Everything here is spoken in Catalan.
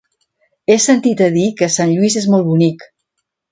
He sentit a dir que Sant Lluís és molt bonic.